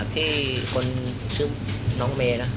ที่คนชื่อน้องเมย์นะ